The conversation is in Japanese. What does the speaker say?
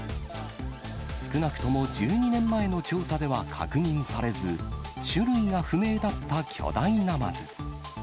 少なくとも１２年前の調査では確認されず、種類が不明だった巨大ナマズ。